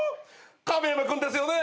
亀山君ですよね。